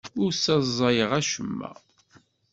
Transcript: Ur ssaẓayeɣ acemma.